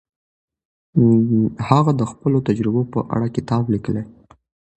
هغه د خپلو تجربو په اړه کتاب لیکلی.